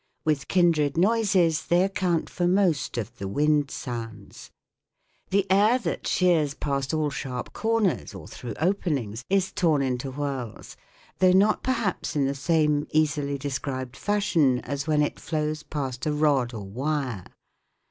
With kindred noises, they account for most of the wind sounds. The air that shears past all sharp corners or through openings is torn into whirls, though not perhaps in the same easily described fashion as when it flows past a rod or wire.